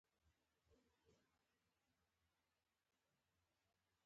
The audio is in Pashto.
حتی زندانونه او د اجباري کار کمپونه د همکارۍ شبکې دي.